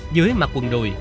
dưới mặt quần đùi